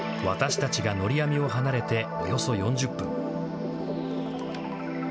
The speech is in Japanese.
私たちがのり網を離れておよそ４０分。